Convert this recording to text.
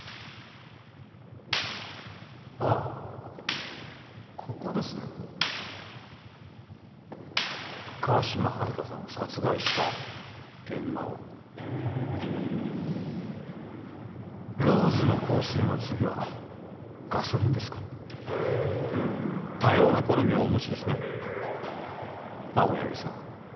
ああここですね川島春香さんを殺害した現場はローズの香水の次はガソリンですか多様な好みをお持ちですね青柳さん